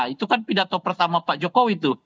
itu kan pidato pertama pak jokowi tuh